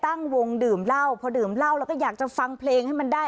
ตั้งวงดื่มเหล้าพอดื่มเหล้าแล้วก็อยากจะฟังเพลงให้มันได้